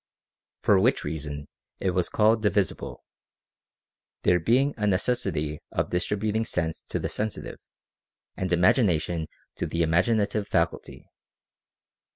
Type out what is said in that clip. For which reason it was called divisible ; there being a necessity of distributing sense to the sensitive, and imagination to the imaginative faculty.